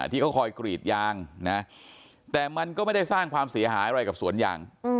ที่เขาคอยกรีดยางนะแต่มันก็ไม่ได้สร้างความเสียหายอะไรกับสวนยาง